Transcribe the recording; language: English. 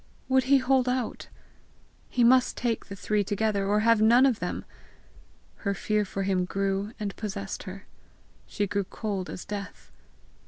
would he hold out? He must take the three together, or have none of them! Her fear for him grew and possessed her. She grew cold as death.